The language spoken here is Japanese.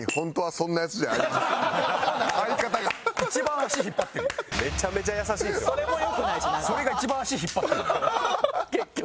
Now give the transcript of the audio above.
それが一番足引っ張ってるんだよ。